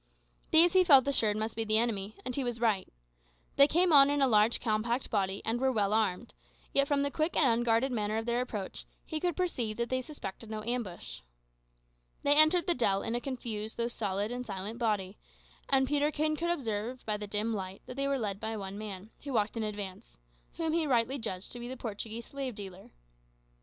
These, he felt assured, must be the enemy; and he was right. They came on in a large, compact body, and were well armed; yet, from the quick and unguarded manner of their approach, he could perceive that they suspected no ambush. They entered the dell in a confused though solid and silent body; and Peterkin could observe, by the dim light, that they were led by one man, who walked in advance, whom he rightly judged to be the Portuguese slave dealer.